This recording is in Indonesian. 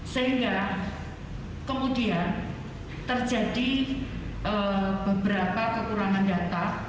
sehingga kemudian terjadi beberapa kekurangan data